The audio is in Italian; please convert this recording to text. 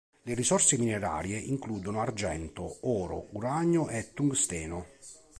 Le risorse minerarie includono argento, oro, uranio e tungsteno.